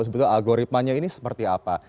sebetulnya algoritmanya ini seperti apa